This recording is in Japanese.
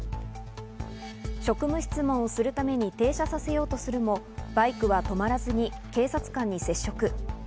職務質問をするために停車させようとするもバイクは止まらずに警察官に接触。